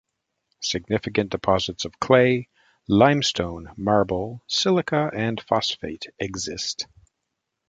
Significant deposits of clay, limestone, marble, silica, and phosphate exist.